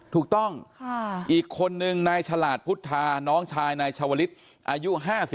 ถูกต้องอีกคนนึงนายฉลาดพุทธาน้องชายนายชาวลิศอายุ๕๓